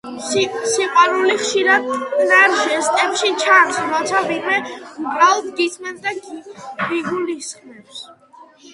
სიყვარული ხშირად წყნარ ჟესტებში ჩანს — როცა ვინმე უბრალოდ გისმენს და გიგულისხმებს.